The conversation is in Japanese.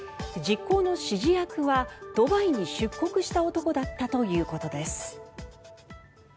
実行の指示役はドバイに出国した男だったということです。